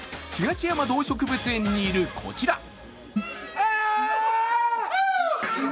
東山動植物園にいるこちら。